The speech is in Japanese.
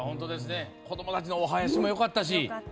子どもたちのお囃子もよかったし。